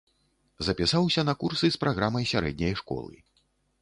Запісаўся на курсы з праграмай сярэдняй школы.